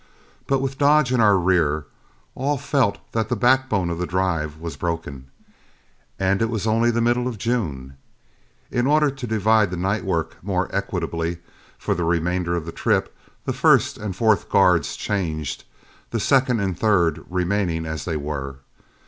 But with Dodge in our rear, all felt that the backbone of the drive was broken, and it was only the middle of June. In order to divide the night work more equitably, for the remainder of the trip the first and fourth guards changed, the second and third remaining as they were.